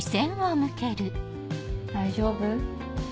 大丈夫？